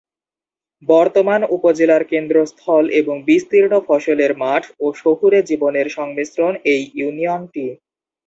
বর্তমান উপজেলার কেন্দ্রস্থল এবং বিস্তীর্ণ ফসলের মাঠ ও শহুরে জীবনের সংমিশ্রণ এই ইউনিয়নটি।